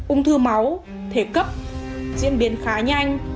ung thư máu thể cấp diễn biến khá nhanh